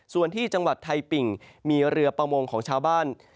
ส่วนที่จังหวัดไทยปิ่งมีเรือประมงของชาวบ้าน